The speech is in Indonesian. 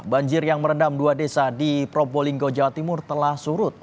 banjir yang merendam dua desa di probolinggo jawa timur telah surut